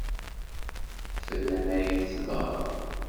Fell-am ay εetbeɣ.